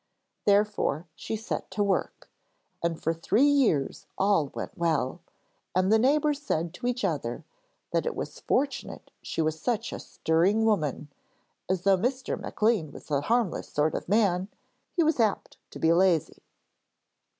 Therefore she set to work, and for three years all went well, and the neighbours said to each other that it was fortunate she was such a stirring woman, as though Master Maclean was a harmless sort of man he was apt to be lazy.